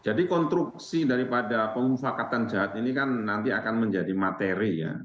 jadi konstruksi daripada pemufakatan jahat ini kan nanti akan menjadi materi ya